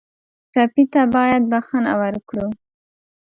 ټپي ته باید بښنه ورکړو.